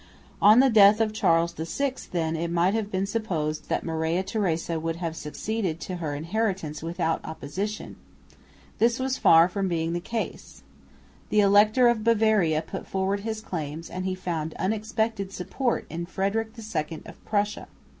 On the death of Charles VI, then, it might have been supposed that Maria Theresa would have succeeded to her inheritance without opposition. This was far from being the case. The Elector of Bavaria put forward his claims and he found unexpected support in Frederick II of Prussia.